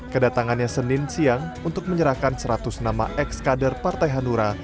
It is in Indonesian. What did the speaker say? kedatangannya senin siang untuk menyerahkan seratus nama ex kader partai hanura